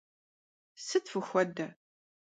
Sıt fıxuede?